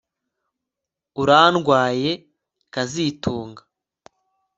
Urandwaye kazitunga